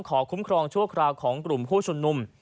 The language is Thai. คุ้มครองชั่วคราวของกลุ่มผู้ชุมนุม